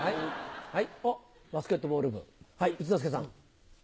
バスケットボール部、一之輔さん。